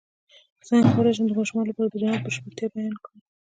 څنګه کولی شم د ماشومانو لپاره د جنت د بشپړتیا بیان کړم